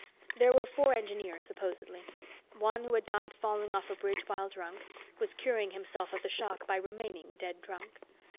There were four engineers, supposedly. One, who had died falling off a bridge while drunk, was curing himself of the shock by remaining dead drunk.